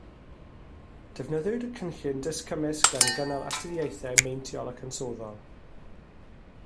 Defnyddiwyd cynllun dull cymysg gan gynnal astudiaethau meintiol ac ansoddol